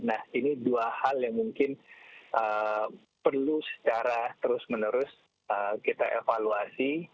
nah ini dua hal yang mungkin perlu secara terus menerus kita evaluasi